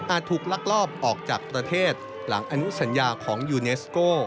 ถูกลักลอบออกจากประเทศหลังอนุสัญญาของยูเนสโก้